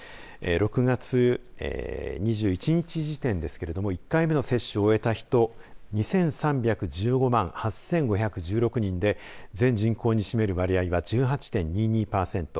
６月２１日時点ですが１回目の接種を終えた人２３１５万８５１６人で全人口に占める割合は１８．２２パーセント。